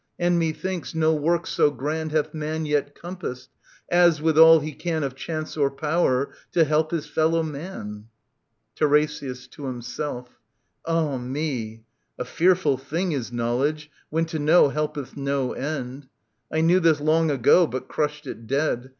And, methinks, no work so grand Hath man yet compassed, as, with all he can Of chance or power, to help his fellow man. TiRESiAS {to himself). Ah me I A fearful thing is knowledge, when to know Helpeth no end. I knew this long ago. But crushed it dead.